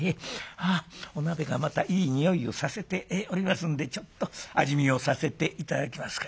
あお鍋がまたいい匂いをさせておりますんでちょっと味見をさせて頂きますか。